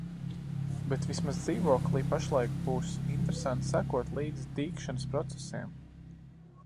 Bet vismaz dzīvoklī pašlaik būs interesanti sekot līdzi dīgšanas procesiem.